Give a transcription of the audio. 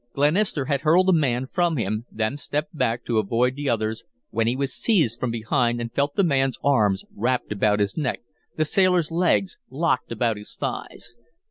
Glenister had hurled a man from him, then stepped back to avoid the others, when he was seized from behind and felt the man's arms wrapped about his neck, the sailor's legs locked about his thighs.